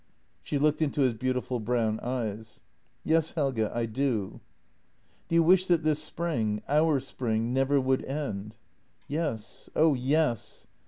" She looked into his beautiful brown eyes: " Yes, Helge; I do." " Do you wish that this spring — our spring — never would end?" " Yes — oh yes."